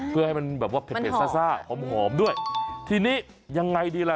เพื่อให้มันแบบว่าเผ็ดซ่าซ่าหอมหอมด้วยทีนี้ยังไงดีล่ะ